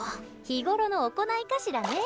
日頃の行いかしらね。